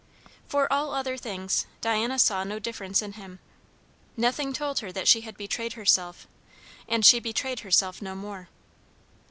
For all other things, Diana saw no difference in him; nothing told her that she had betrayed herself, and she betrayed herself no more.